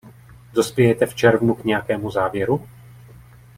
Dospějete v červnu k nějakému závěru?